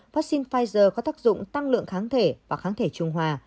vaccine pfizer có tác dụng tăng lượng kháng thể và kháng thể trung hòa